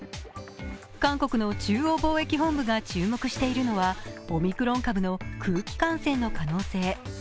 韓国の中央防疫本部が注目しているのはオミクロン株の空気感染の可能性。